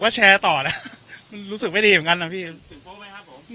ผมก็แชร์ต่อนะรู้สึกไม่ดีเหมือนกันนะพี่ถึงพบไหมครับผม